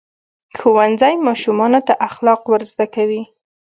ښوونځی ماشومانو ته اخلاق ورزده کوي.